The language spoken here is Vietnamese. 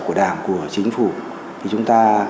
của đảng của chính phủ thì chúng ta